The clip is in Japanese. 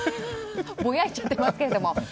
ぼやいちゃってますけども。